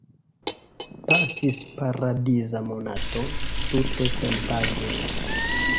Pasis paradiza monato, tute senpage...